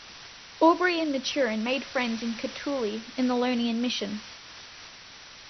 Aubrey and Maturin made friends in Kutali in "The Ionian Mission".